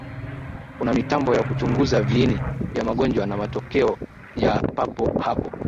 Kuna mitambo ya kuchunguza viini vya magonjwa na matokeo ya papo hapo